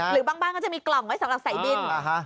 หรือบางบ้านก็จะมีกล่องไว้สำหรับสายบิน